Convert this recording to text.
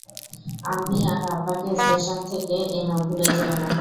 আম্মি আর আব্বাকে স্টেশন থেকে এনো ভুলে যেও না।